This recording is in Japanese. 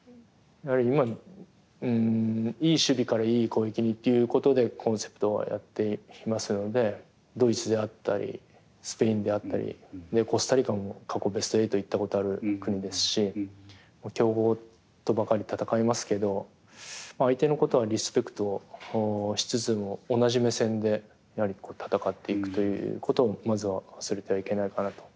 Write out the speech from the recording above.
いい守備からいい攻撃にっていうことでコンセプトはやっていますのでドイツであったりスペインであったりコスタリカも過去ベスト８いったことある国ですし強豪とばかり戦いますけど相手のことはリスペクトしつつも同じ目線でやはり戦っていくということをまずは忘れてはいけないかなと。